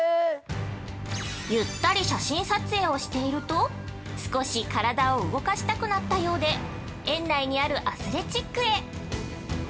◆ゆったり写真撮影をしていると少し体を動かしたくなったようで園内にあるアスレチックへ。